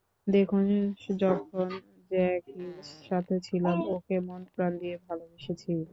দেখুন, যখন জ্যাকির সাথে ছিলাম, ওকে মনপ্রাণ দিয়ে ভালোবেসেছি!